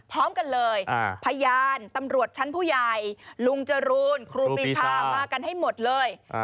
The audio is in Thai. พร้อมกันเลยพยานตำรวจชั้นผู้ใหญ่ทุกคนมากันให้หมดเลย